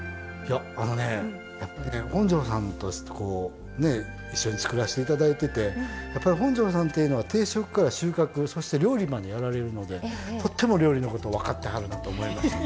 あのね本上さんと一緒に作らせていただいてて本上さんっていうのは定植から収穫そして料理までやられるのでとっても料理のことを分かってはるなと思いました。